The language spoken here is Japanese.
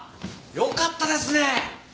よかったですね！